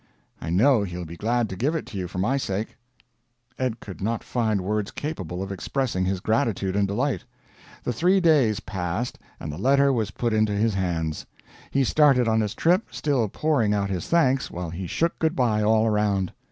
I know he'll be glad to give it to you for my sake." Ed could not find words capable of expressing his gratitude and delight. The three days passed, and the letter was put into his bands. He started on his trip, still pouring out his thanks while he shook good bye all around.